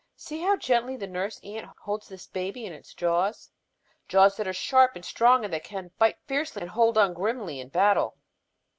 See how gently the nurse ant holds this baby in its jaws; jaws that are sharp and strong and that can bite fiercely and hold on grimly in battle."